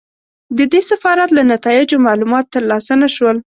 د دې سفارت له نتایجو معلومات ترلاسه نه شول.